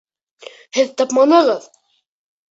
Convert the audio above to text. Һеҙ тапманығыҙ!